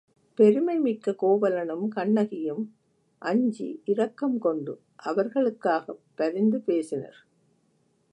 பெருமை மிக்க கோவலனும் கண்ணகியும் அஞ்சி இரக்கம் கொண்டு அவர்களுக்காகப் பரிந்து பேசினர்.